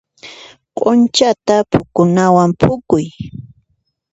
Q'unchata phukunawan phukuy.